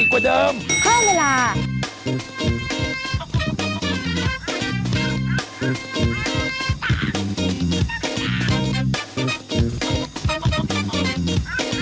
โปรดติดตามตอนต่อไป